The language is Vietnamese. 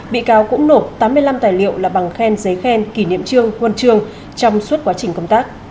vị cáo cũng nộp tám mươi năm tài liệu là bằng khen giấy khen kỷ niệm trương quân trương trong suốt quá trình công tác